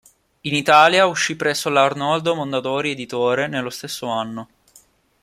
In Italia uscì presso la Arnoldo Mondadori editore nello stesso anno.